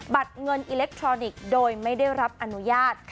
เงินอิเล็กทรอนิกส์โดยไม่ได้รับอนุญาต